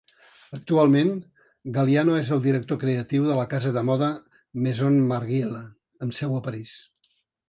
Actualment, Galliano és el director creatiu de la casa de moda Maison Margiela, amb seu a París.